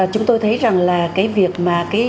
chúng tôi thấy rằng là cái việc mà